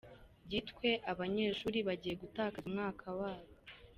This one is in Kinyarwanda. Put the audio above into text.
Gitwe Abanyeshuri bagiye gutakaza umwaka wabo